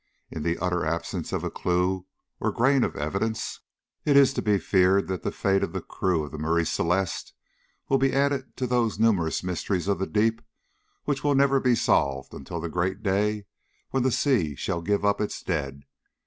In the utter absence of a clue or grain of evidence, it is to be feared that the fate of the crew of the Marie Celeste will be added to those numerous mysteries of the deep which will never be solved until the great day when the sea shall give up its dead.